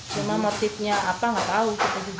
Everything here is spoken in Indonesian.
cuma motifnya apa nggak tahu